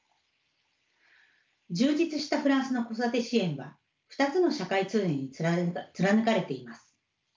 充実したフランスの子育て支援は２つの社会通念に貫かれています。